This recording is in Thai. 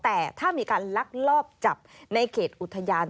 แต่ถ้ามีการลักลอบจับในเขตอุทยาน